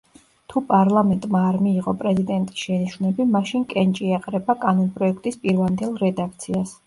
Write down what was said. თუ პარლამენტმა არ მიიღო პრეზიდენტის შენიშვნები, მაშინ კენჭი ეყრება კანონპროექტის პირვანდელ რედაქციას.